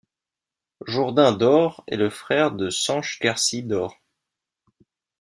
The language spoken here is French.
Jourdain d'Aure est le frère de Sanche-Garcie d'Aure.